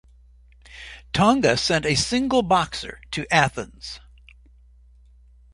Tonga sent a single boxer to Athens.